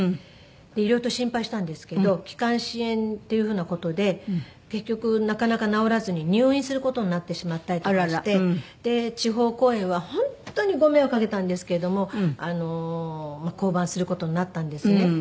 いろいろと心配したんですけど気管支炎っていう風な事で結局なかなか治らずに入院する事になってしまったりとかして地方公演は本当にご迷惑を掛けたんですけれども降板する事になったんですよね。